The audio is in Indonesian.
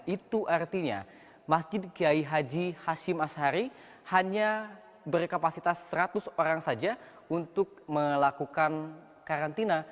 itu artinya masjid k i haji hasim asyari hanya berkapasitas seratus orang saja untuk melakukan karantina